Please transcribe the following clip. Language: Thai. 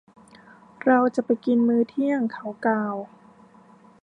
เราจะไปกินมื้อเที่ยง เขากล่าว